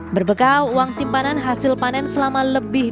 berbekal uang simpanan hasil panen selama lebih